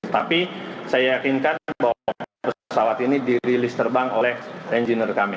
tapi saya yakinkan bahwa pesawat ini dirilis terbang oleh engineer kami